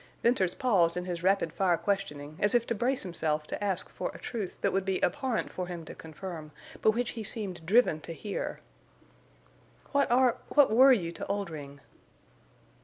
Venters paused in his rapid fire questioning, as if to brace him self to ask for a truth that would be abhorrent for him to confirm, but which he seemed driven to hear. "What are—what were you to Oldring?"